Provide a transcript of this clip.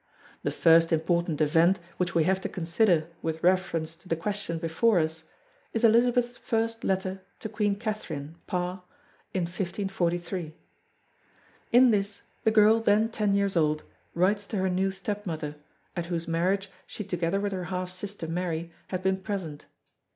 The first important event which we have to consider with reference to the question before us is Elizabeth's first letter to Queen Catherine (Parr) in 1543. In this the girl then ten years old writes to her new step mother, at whose marriage she together with her half sister Mary had been present.